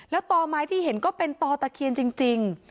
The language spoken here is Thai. แล้วต่อไม้ที่เห็นก็เป็นต่อตะเคียนจริง